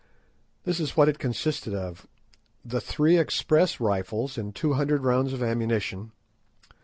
This is what it consisted of:— The three express rifles and two hundred rounds of ammunition.